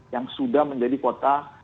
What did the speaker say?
yang sudah menjadi kota